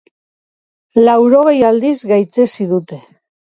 Laurogei aldiz gaitzetsi dute.